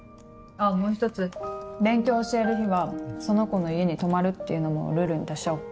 あもう一つ「勉強教える日はその子の家に泊まる」っていうのもルールに足しちゃおう。